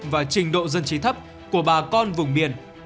và trình độ dân trí thấp của bà con vùng miền